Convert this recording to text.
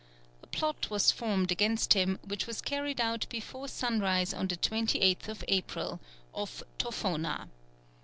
A plot was formed against him which was carried out before sunrise on the 28th April, off Tofona.